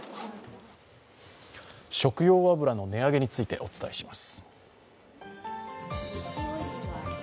食用油の値上げについてお伝えします。